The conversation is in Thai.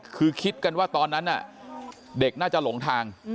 คือคิดกันว่าตอนนั้นเด็กน่าจะหลงทาง